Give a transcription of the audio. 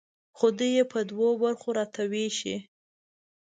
خو دوی یې په دوو برخو راته ویشي.